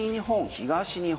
東日本